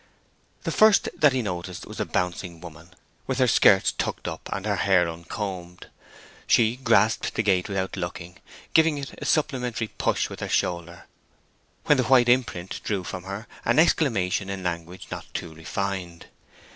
The first that he noticed was a bouncing woman with her skirts tucked up and her hair uncombed. She grasped the gate without looking, giving it a supplementary push with her shoulder, when the white imprint drew from her an exclamation in language not too refined.